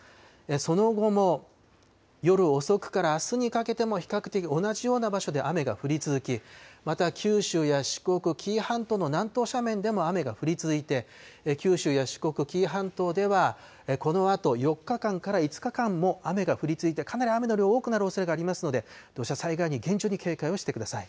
その後も、夜遅くからあすにかけても、比較的同じような場所で雨が降り続き、また九州や四国、紀伊半島の南東斜面でも雨が降り続いて、九州や四国、紀伊半島では、このあと４日間から５日間も雨が降り続いて、かなり雨の量、多くなるおそれがありますので、土砂災害に厳重に警戒をしてください。